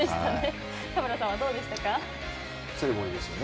田村さんはいかがでしたか？